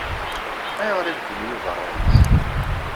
Ayɣer ibeddel Yuba ṛṛay-is?